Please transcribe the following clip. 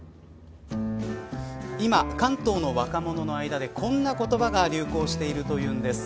今、関東の若者の間でこんな言葉が流行しているというんです。